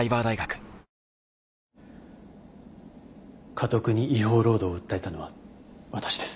カトクに違法労働を訴えたのは私です。